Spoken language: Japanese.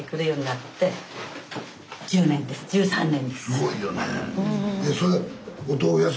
すごいよね。